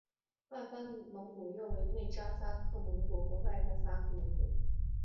外藩蒙古又分为内札萨克蒙古和外札萨克蒙古。